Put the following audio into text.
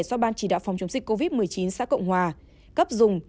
do ban chỉ đạo phòng chống dịch covid một mươi chín xã cộng hòa cấp dùng